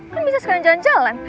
kan bisa sekarang jalan jalan